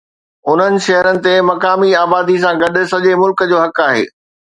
انهن شهرن تي مقامي آبادي سان گڏ سڄي ملڪ جو حق آهي.